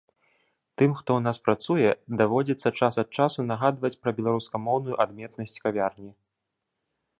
Тым, хто ў нас працуе, даводзіцца час ад часу нагадваць пра беларускамоўную адметнасць кавярні.